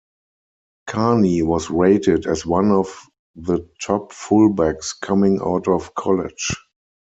Karney was rated as one of the top fullbacks coming out of college.